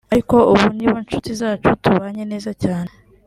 Ariko ubu ni bo nshuti zacu tubanye neza cyane